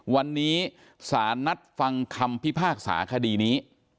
วันนี้สารนัดฟังคำพิพากษาคดีนี้